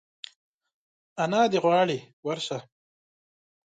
انا دي غواړي ورشه !